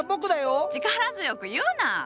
力強く言うな！